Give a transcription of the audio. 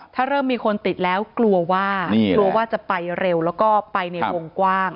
ถ้าเริ่มมีคนติดแล้วกลัวว่ากลัวว่าจะไปเร็วแล้วก็ไปในวงกว้าง